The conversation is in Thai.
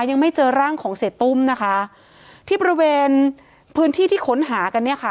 ยังไม่เจอร่างของเสียตุ้มนะคะที่บริเวณพื้นที่ที่ค้นหากันเนี่ยค่ะ